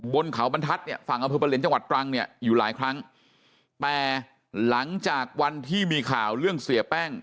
บนเขาบรรทัศน์เนี่ยฝั่งอำเภอประเหลียนจังหวัดตรังเนี่ยอยู่หลายครั้งแต่หลังจากวันที่มีข่าวเรื่องเสียแป้ง